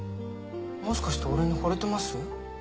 もしかして俺に惚れてます？